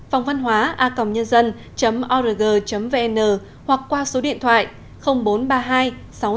phongvănhóa org vn hoặc qua số điện thoại